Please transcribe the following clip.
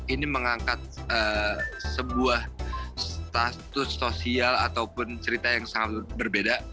ini mengangkat sebuah status sosial ataupun cerita yang sangat berbeda